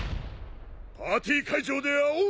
パーティー会場で会おう！